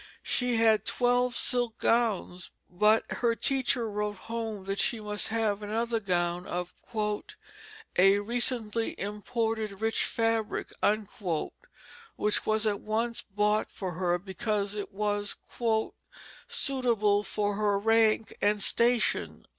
She had twelve silk gowns, but her teacher wrote home that she must have another gown of "a recently imported rich fabric," which was at once bought for her because it was "suitable for her rank and station."